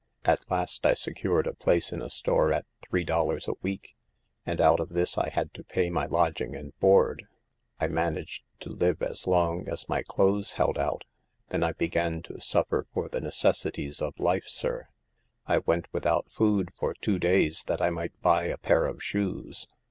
At last I secured a place in a store at three dollars a week, and out of this I had to pay my lodging and board. I managed to live as long as my clothes held out ; then I began to suffer for the necessaries of life, sir. I went without food for two days that I might buy a pair of shoes.